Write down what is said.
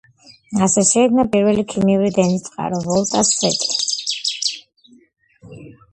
ასე შეიქმნა პირველი ქიმიური დენის წყარო „ვოლტას სვეტი“.